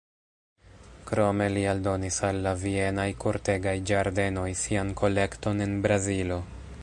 Krome li aldonis al la Vienaj kortegaj ĝardenoj sian kolekton en Brazilo.